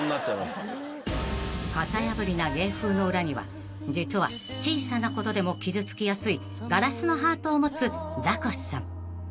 ［型破りな芸風の裏には実は小さなことでも傷つきやすいガラスのハートを持つザコシさん］